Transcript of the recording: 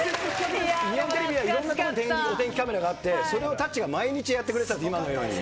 日本テレビはいろんな所にお天気カメラがあって、それをたっちが毎日やってくれてたんです、今のように。